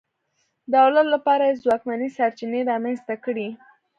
دولت لپاره یې ځواکمنې سرچینې رامنځته کړې.